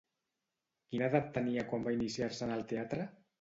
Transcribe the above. Quina edat tenia quan va iniciar-se en el teatre?